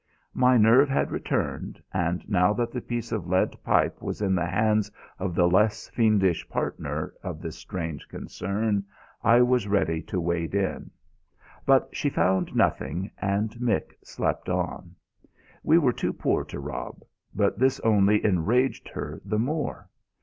My nerve had returned, and now that the piece of lead pipe was in the hands of the less fiendish partner of this strange concern, I was ready to wade in. But she found nothing, and Mick slept on. We were too poor to rob; but this only enraged her the more.